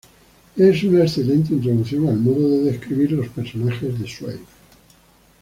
Es una excelente introducción al modo de describir los personajes de Zweig.